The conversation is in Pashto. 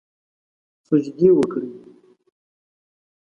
سجدې وکړي